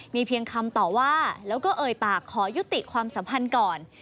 มีเพียงคำต่อว่าแล้วก็เอ่ยปากขอยุติความสัมพันธ์ก่อน